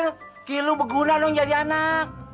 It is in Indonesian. kira kira lu berguna dong jadi anak